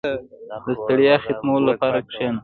• د ستړیا ختمولو لپاره کښېنه.